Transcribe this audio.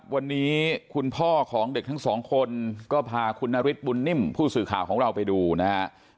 วันนี้คุณพ่อของเด็กทั้งสองคนก็พาคุณนฤทธบุญนิ่มผู้สื่อข่าวของเราไปดูนะฮะ